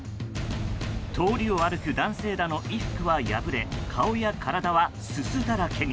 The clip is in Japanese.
通りを歩く男性らの衣服は破れ顔や体はすすだらけに。